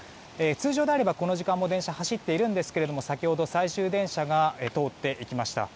通常であればこの時間も電車は走っていますが先ほど、最終電車が通っていきました。